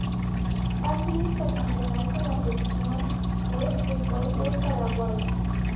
Ha sido internacional con la selección de fútbol de Paraguay.